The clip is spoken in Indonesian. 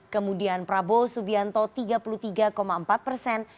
kemudian prabowo subianto tiga puluh tiga empat persen